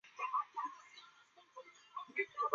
蒙特勒伊地区希勒人口变化图示